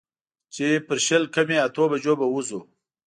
چې پر شل کمې اتو بجو به وځو.